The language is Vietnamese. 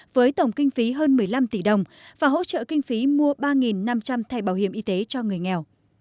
với tổng kinh phí hơn một mươi năm tỷ đồng và hỗ trợ kinh phí mua ba năm trăm linh thẻ bảo hiểm y tế cho người nghèo